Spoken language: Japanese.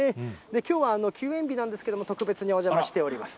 きょうは休園日なんですけれども、特別にお邪魔しております。